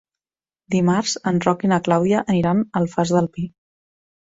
Dimarts en Roc i na Clàudia aniran a l'Alfàs del Pi.